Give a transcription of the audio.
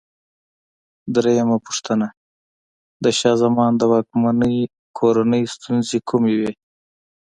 درېمه پوښتنه: د شاه زمان د واکمنۍ کورنۍ ستونزې کومې وې؟